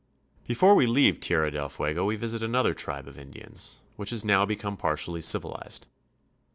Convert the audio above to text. Before we leave Tierra del Fuego we visit another tribe of Indians, which has now become partially civilized.